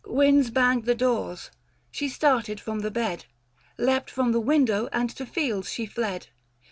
Winds banged the doors ; she started from the bed, Leapt from the window and to fields she fled.